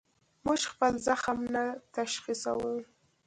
موږ خپل زخم نه تشخیصوو.